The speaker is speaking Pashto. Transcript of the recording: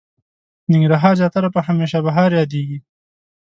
ننګرهار زياتره په هميشه بهار ياديږي.